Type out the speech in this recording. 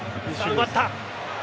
奪った。